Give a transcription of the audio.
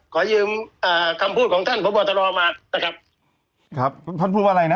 ขอยืมอ่าคำพูดของท่านพบตรมานะครับครับท่านพูดว่าอะไรนะ